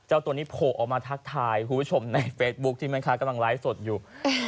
เจ้าตัวนี้โผล่ออกมาทักทายคุณผู้ชมในเฟซบุ๊คที่แม่ค้ากำลังไลฟ์สดอยู่